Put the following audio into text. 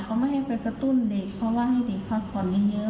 เขาไม่ให้ไปกระตุ้นเด็กเพราะว่าให้เด็กพักผ่อนเยอะ